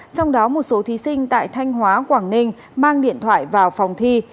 trong đó một số thí sinh tại thanh hóa quảng ninh mang điện thoại vào phòng thi